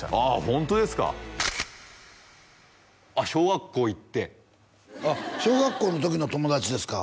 ホントですかあっ小学校行って小学校の時の友達ですか？